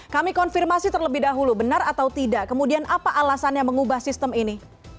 kami konfirmasi terlebih dahulu benar atau tidak kemudian apa alasannya mengubah sistem ini